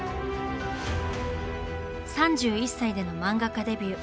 ３１歳での漫画家デビュー。